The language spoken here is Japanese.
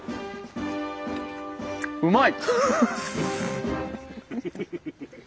うまい！